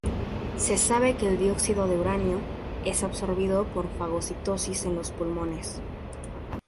Se sabe que el dióxido de uranio es absorbido por fagocitosis en los pulmones.